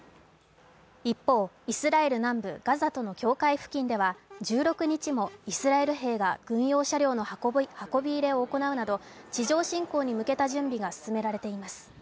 一方、イスラエル南部ガザとの境界付近では１６日もイスラエル兵が軍用車両の運び入れを行うなど地上侵攻に向けた動きが進められています。